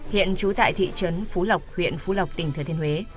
hiện trú tại thị trấn phú lộc huyện phú lộc tỉnh thừa thiên huế